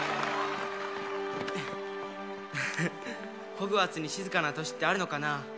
ホグワーツに静かな年ってあるのかな？